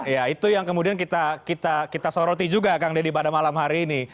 ya itu yang kemudian kita soroti juga kang deddy pada malam hari ini